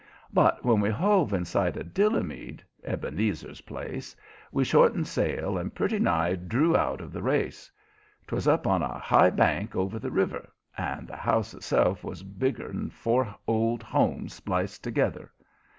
But when we hove in sight of Dillamead Ebenezer's place we shortened sail and pretty nigh drew out of the race. 'Twas up on a high bank over the river, and the house itself was bigger than four Old Homes spliced together.